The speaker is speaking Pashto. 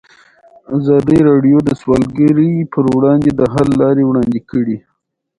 ازادي راډیو د سوداګري پر وړاندې د حل لارې وړاندې کړي.